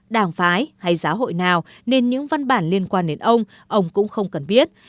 tái hay giáo hội nào nên những văn bản liên quan đến ông ông cũng không cần biết